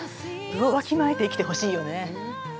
分をわきまえて生きてほしいよね。